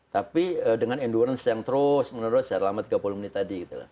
tapi dengan endurance yang terus menerus selama tiga puluh menit tadi